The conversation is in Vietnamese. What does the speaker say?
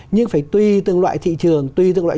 nhưng phải tùy từng loại thị trường tùy từng loại